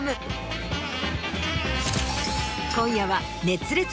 今夜は。